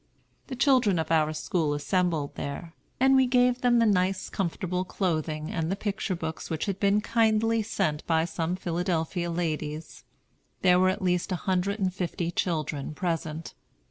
The children of our school assembled there, and we gave them the nice comfortable clothing and the picture books which had been kindly sent by some Philadelphia ladies. There were at least a hundred and fifty children present.